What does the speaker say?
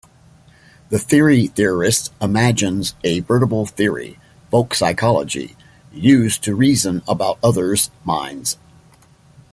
The theory-theorist imagines a veritable theory-"folk psychology"-used to reason about others' minds.